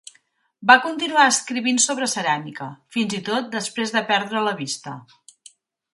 Va continuar escrivint sobre ceràmica, fins i tot després de perdre la vista.